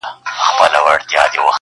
هر چيري چي ولاړ سې، دغه حال دئ.